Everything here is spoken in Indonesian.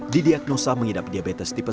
didiagnosa mengidap diabetes tipe satu